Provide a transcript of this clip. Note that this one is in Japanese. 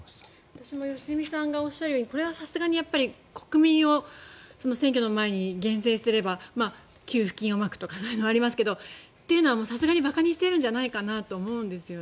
私も良純さんがおっしゃるようにこれは国民を選挙の前に減税すれば給付金をまくというのがありますがさすがに馬鹿にしているんじゃないかと思うんです。